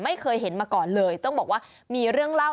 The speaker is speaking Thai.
ไม่เคยเห็นมาก่อนเลยต้องบอกว่ามีเรื่องเล่า